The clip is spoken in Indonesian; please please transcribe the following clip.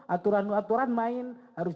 aturan aturan main harus